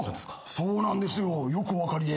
そうなんですよよくお分かりで。